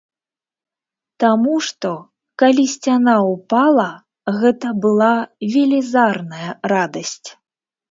Таму што, калі сцяна ўпала, гэта была велізарная радасць!